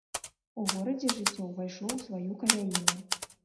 У горадзе жыццё ўвайшло ў сваю каляіну.